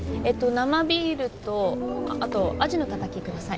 生ビールとあとアジのたたきください